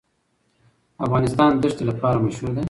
افغانستان د ښتې لپاره مشهور دی.